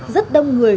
rất đông người